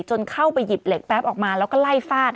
จนเข้าไปหยิบเหล็กแป๊บออกมาแล้วก็ไล่ฟาด